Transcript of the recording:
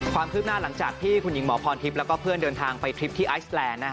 ความคืบหน้าหลังจากที่คุณหญิงหมอพรทิพย์แล้วก็เพื่อนเดินทางไปทริปที่ไอซแลนด์